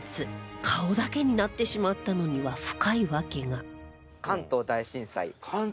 顔だけになってしまったのには深い訳が